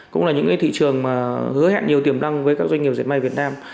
cũng là những thị trường mà hứa hẹn nhiều tiềm năng với các doanh nghiệp diệt may việt nam